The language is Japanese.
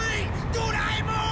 ドラえもーん！